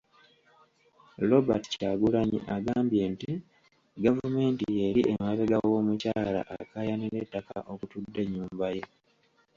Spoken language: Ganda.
Robert Kyagulanyi agambye nti gavumenti y'eri emabega w'omukyala akaayanira ettaka okutudde ennyumba ye.